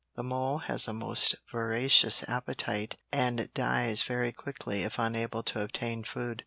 The mole has a most voracious appetite and dies very quickly if unable to obtain food.